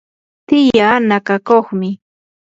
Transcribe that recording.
tiyaa nakakuqmi.